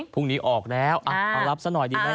พรุ่งนี้ออกแล้วเอารับสักหน่อยดีกว่าค่ะ